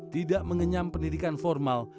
tidak mengenyam pendidikan formal